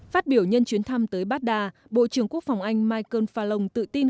phát biểu nhân chuyến thăm tới baghdad bộ trưởng quốc phòng anh michael falong tự tin